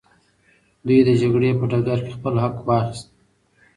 دوی د جګړې په ډګر کي خپل حق واخیست.